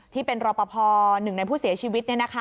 ที่เป็นรปภ๑ในผู้เสียชีวิต